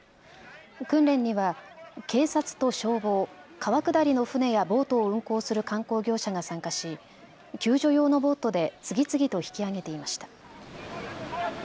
訓練には警察と消防、川下りの舟やボートを運航する観光業者が参加し救助用のボートで次々と引き上げていました。